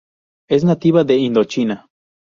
Es nativa de Indochina.